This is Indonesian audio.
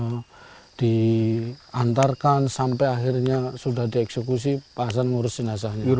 jadi pada saat itu memang benar benar diantarkan sampai akhirnya sudah dieksekusi pak hasan ngurusin asahnya